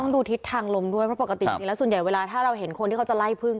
ต้องดูทิศทางลมด้วยเพราะปกติสุดยอดเวลาถ้าเราเห็นคนที่เขาจะไล่พึ่ง